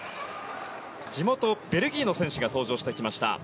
地元ベルギーの選手が登場してきました。